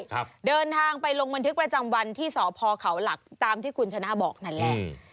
ครับเดินทางไปลงบันทึกประจำวันที่สพเขาหลักตามที่คุณชนะบอกนั่นแหละอืม